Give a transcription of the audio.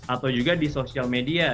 atau juga di sosial media